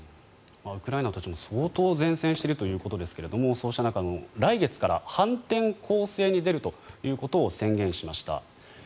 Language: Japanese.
ウクライナも相当善戦しているということですがそうした中、来月から反転攻勢に出るということを宣言しました。